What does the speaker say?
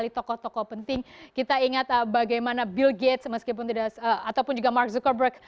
jadi kita ingat sekali toko toko penting kita ingat bagaimana bill gates meskipun tidak ataupun juga mark zuckerberg